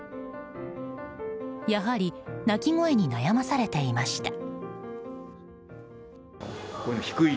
やはり、鳴き声に悩まされていました。